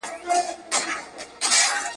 ټولنیز عمل بې مانا نه دی.